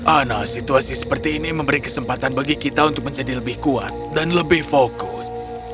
ana situasi seperti ini memberi kesempatan bagi kita untuk menjadi lebih kuat dan lebih fokus